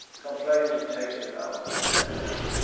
Complains of taste in mouth like lead.